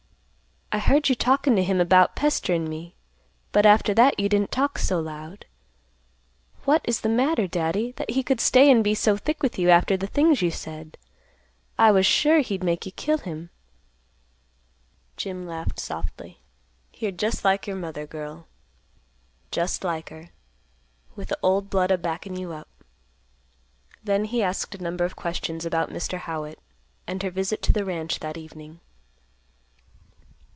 "I heard you talkin' to him about pesterin' me, but after that, you didn't talk so loud. What is the matter, Daddy, that he could stay and be so thick with you after the things you said? I was sure he'd make you kill him." Jim laughed softly; "You're just like your mother, girl. Just like her, with the old blood a backin' you up." Then he asked a number of questions about Mr. Howitt, and her visit to the ranch that evening.